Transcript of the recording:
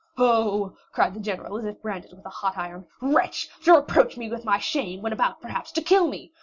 "Oh," cried the general, as if branded with a hot iron, "wretch,—to reproach me with my shame when about, perhaps, to kill me!